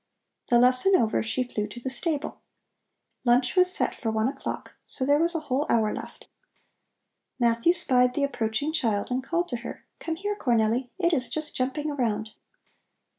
The lesson over, she flew to the stable. Lunch was set for one o'clock, so there was a whole hour left. Matthew spied the approaching child and called to her: "Come here, Cornelli! It is just jumping around."